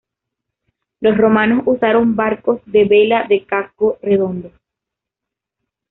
Los romanos usaron barcos de vela de casco redondo.